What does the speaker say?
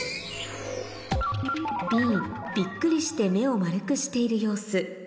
「びっくりして目を丸くしている様子」